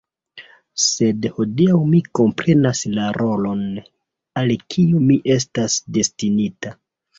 Sed hodiaŭ mi komprenas la rolon, al kiu mi estas destinita.